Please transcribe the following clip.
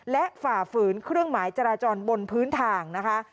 และฝ่าฝืนเครื่องหมายจราจรบนพื้นทางนะคะ